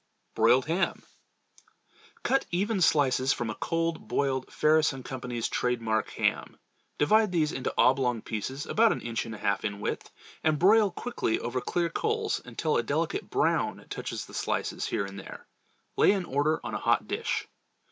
Broiled Ham. Cut even slices from a cold boiled Ferris & Co.'s "Trade Mark" ham. Divide these into oblong pieces about an inch and a half in width, and broil quickly over clear coals until a delicate brown touches the slices here and there. Lay in order on a hot dish.